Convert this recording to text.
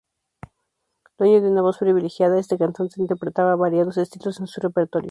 Dueño de una voz privilegiada, este cantante interpretaba variados estilos en su repertorio.